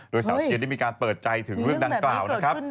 โดยสาวเชียร์ได้มีการเปิดใจถึงเรื่องดังกล่าวนะครับ